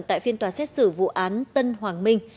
tại phiên tòa xét xử vụ án tân hoàng minh